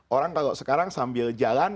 orang kalau sekarang sambil jalan